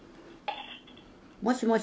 もしもし？